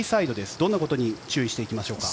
どんなことに注意していきましょうか？